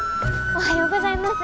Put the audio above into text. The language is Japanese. おはようございます。